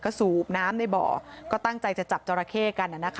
ก็สูบน้ำในบ่อก็ตั้งใจจะจับจอราเข้กัน